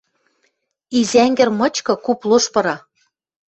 Изӓнгӹр мычкы куп лош пыра.